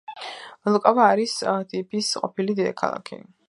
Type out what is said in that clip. ლევუკა არის ფიჯის ყოფილი დედაქალაქი.